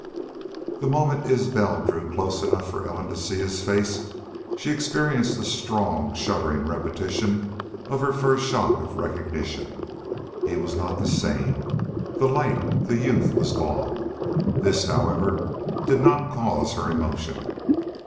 The moment Isbel drew close enough for Ellen to see his face she experienced a strong, shuddering repetition of her first shock of recognition. He was not the same. The light, the youth was gone. This, however, did not cause her emotion.